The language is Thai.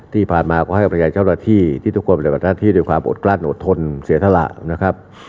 ที่ผ่านมาก็ให้กับเจ้าหน้าที่ที่ทุกคนเป็นเจ้าหน้าที่ด้วยความอดกล้าดอดทนเสียทะละนะครับ